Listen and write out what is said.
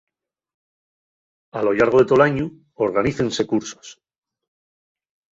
A lo llargo de tol añu organícense cursos.